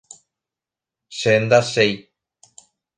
Che ndachéi.